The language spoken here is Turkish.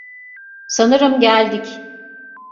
Sanırım geldik.